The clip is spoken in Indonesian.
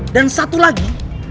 dan satu lagi